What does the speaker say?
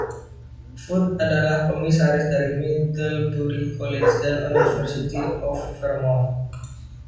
Foot adalah Komisaris dari Middlebury College dan University of Vermont.